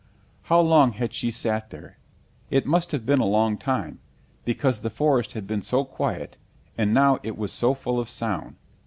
... How long had she sat there? It must have been a long time because the forest had been so quiet, and now it was so full of sound.